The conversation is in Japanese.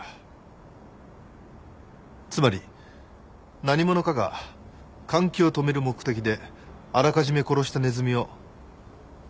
つまり何者かが換気を止める目的であらかじめ殺したネズミを羽根に挟んでおいた。